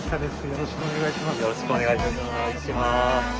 よろしくお願いします。